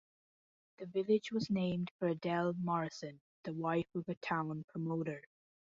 The village was named for Adele Morrison, the wife of a town promoter.